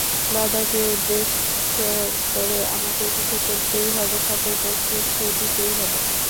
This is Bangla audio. দাদাকে উদ্দেশ করে আমাকে কিছু করতেই হবে ঠাকুরপো, কিছু দিতেই হবে।